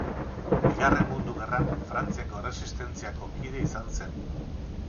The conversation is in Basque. Bigarren Mundu Gerran Frantziako Erresistentziako kide izan zen.